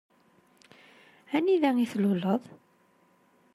Anida i tluleḍ?